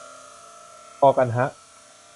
พอกันฮะ